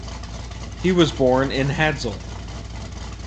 He was born in Hadsel.